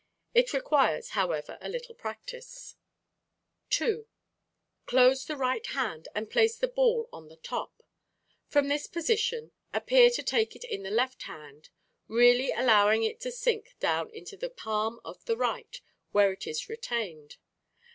It requires, however, a little practice. Fig. 16. Revolving Ball. 2. Close the right hand and place the ball on the top (as in Fig. 17). From this position appear to take it in the left hand, really allowing it to sink down into the palm of the right, where it is retained.